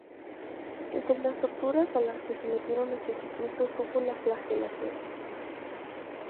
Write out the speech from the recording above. Entre las torturas a las que sometieron a Jesucristo estuvo la flagelación.